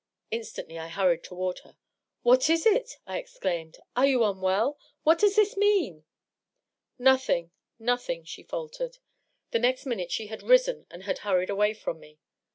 Instantly I hurried toward her. " What is it?" I exclaimed. " Are you unwell? What does this mean?" " Nothing — notliing !" she faltered. The next minute she had risen and had hurried away from me.